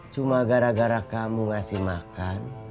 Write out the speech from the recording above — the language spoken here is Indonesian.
cuma gara gara kamu ngasih makan